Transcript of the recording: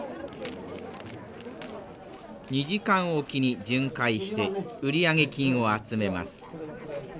２時間おきに巡回して売上金を集めます。